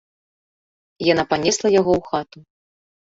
Яна панесла яго ў хату.